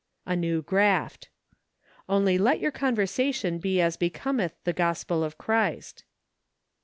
A New Graft. " Only let your conversation he as hecometh the Gospel of Christ